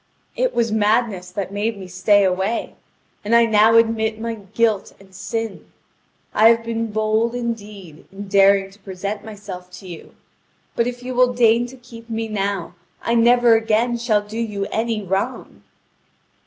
It was madness that made me stay away, and I now admit my guilt and sin. I have been bold, indeed, in daring to present myself to you; but if you will deign to keep me now, I never again shall do you any wrong."